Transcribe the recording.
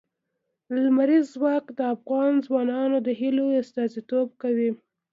لمریز ځواک د افغان ځوانانو د هیلو استازیتوب کوي.